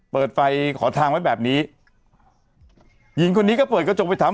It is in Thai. เปิดไฟขอทางไว้แบบนี้หญิงคนนี้ก็เปิดกระจกไปถาม